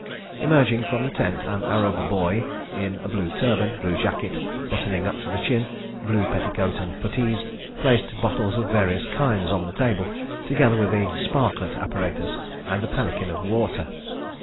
Emerging from the tent, an Arab "boy" in a blue turban, blue jacket buttoning up to the chin, blue petticoat and puttees, placed bottles of various kinds on the table, together with a "sparklet" apparatus and a pannikin of water.